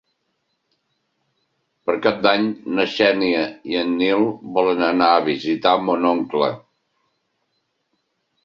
Per Cap d'Any na Xènia i en Nil volen anar a visitar mon oncle.